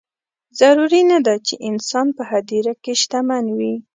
ضروري نه ده چې انسان په هدیره کې شتمن وي.